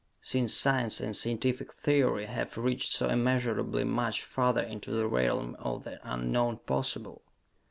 since science and scientific theory have reached so immeasurably much farther into the Realm of the Unknown Possible?